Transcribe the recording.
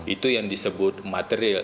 itu yang disebut material